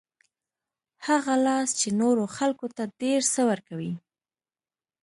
هغه لاس چې نورو خلکو ته ډېر څه ورکوي.